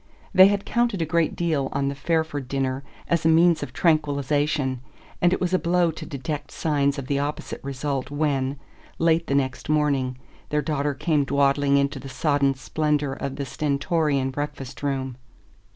They had counted a great deal on the Fairford dinner as a means of tranquillization, and it was a blow to detect signs of the opposite result when, late the next morning, their daughter came dawdling into the sodden splendour of the Stentorian breakfast room.